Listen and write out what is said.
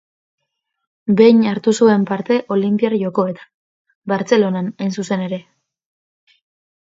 Behin hartu zuen parte Olinpiar Jokoetan: Bartzelonan, hain zuzen ere.